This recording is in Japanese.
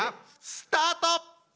スタート！